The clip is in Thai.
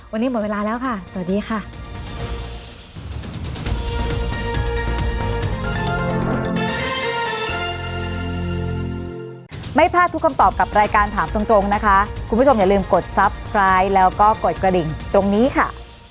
วันนี้หมดเวลาแล้วค่ะสวัสดีค่ะ